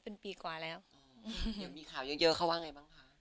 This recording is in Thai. เป็นปีกว่าแล้วยังมีข่าวเยอะเยอะเขาว่าไงบ้างคะ